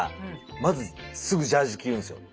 まずすぐジャージ着るんですよ。